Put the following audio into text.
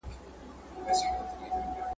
سمدستي سو پوه د زرکي له پروازه ..